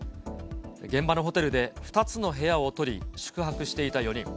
現場のホテルで２つの部屋を取り、宿泊していた４人。